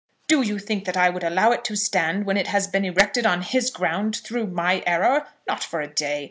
Do you think that I would allow it to stand when it has been erected on his ground, through my error? Not for a day!